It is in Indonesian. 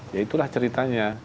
ya itulah ceritanya